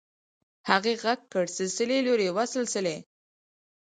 هغې غږ کړ سلسلې لورې وه سلسلې.